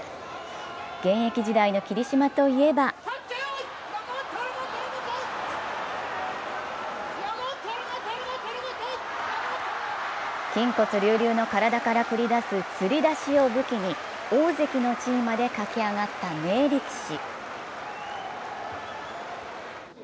現役時代の霧島といえば筋骨隆々の体から繰り出す吊りだしを武器に大関の地位まで駆け上がった名力士。